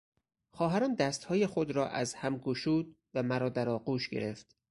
خواهرم دستهای خود را از هم گشود و مرا در آغوش گرفت.